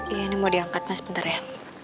iya ini mau diangkat mas bentar ya